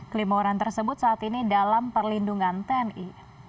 kelima orang tersebut saat ini dalam perlindungan tni